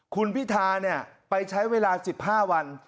คุณพิทาเนี่ยไปใช้เวลา๑๕วัน